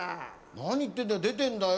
何言ってんだよ出てんだよ。